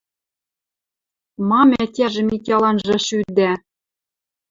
Мам ӓтяжӹ Митяланжы шӱдӓ